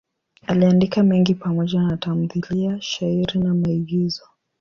Aliandika mengi pamoja na tamthiliya, shairi na maigizo.